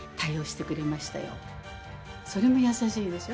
それも優しいでしょ？